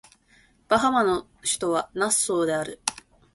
バハマの首都はナッソーである